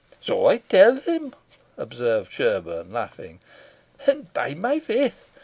"So I tell him," observed Sherborne, laughing; "and, by my faith!